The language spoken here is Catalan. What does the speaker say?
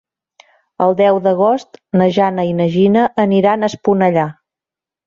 El deu d'agost na Jana i na Gina aniran a Esponellà.